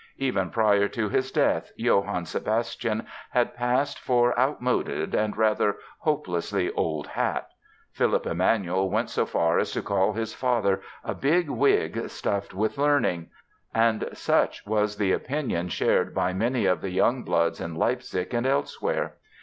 Even prior to his death Johann Sebastian had passed for outmoded and rather hopelessly "old hat." Philipp Emanuel went so far as to call his father "a big wig stuffed with learning"; and such was the opinion shared by many of the young bloods in Leipzig and elsewhere.